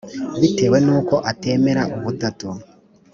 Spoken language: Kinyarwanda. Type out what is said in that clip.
bitewe n’uko atemera ubutatu